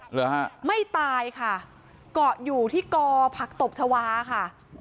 เหลือ๕ไม่ตายค่ะก็อยู่ที่กพชค่ะ